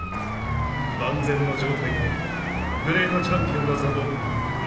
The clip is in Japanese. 万全の状態でグレートチャンピオンの座も奪い取らせてもらう。